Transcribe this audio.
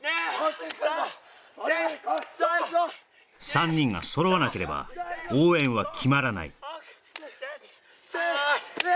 ３人が揃わなければ応援は決まらない１！